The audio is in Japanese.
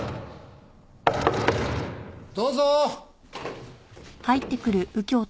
どうぞ！